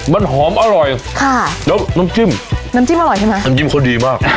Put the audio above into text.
มันหอมอร่อยค่ะแล้วน้ำจิ้มน้ำจิ้มอร่อยใช่ไหมน้ำจิ้มเขาดีมาก